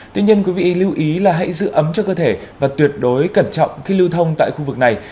tuy nhiên quý vị lưu ý là hãy giữ ấm cho cơ thể và tuyệt đối cẩn trọng khi lưu thông tại khu vực này